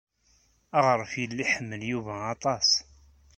Aɣref yella iḥemmel Yuba aṭas.